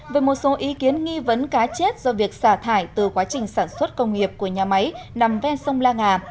về một số ý kiến nghi vấn cá chết do việc xả thải từ quá trình sản xuất công nghiệp của nhà máy nằm ven sông la nga